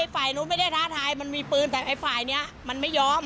ไฟนู้นไม่ได้ท้าทายมันมีปืนแต่ไฟนี้มันไม่ยอม